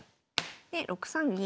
で６三銀。